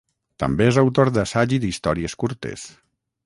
També és autor d'assaig i d'històries curtes.